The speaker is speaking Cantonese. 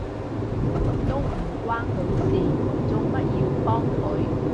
都唔關佢事，做乜要幫佢？